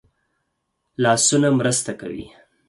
لاسونه مرسته کوي